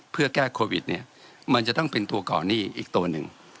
เพื่อแก้โควิดเนี่ยมันจะต้องเป็นตัวก่อนหนี้อีกตัวหนึ่ง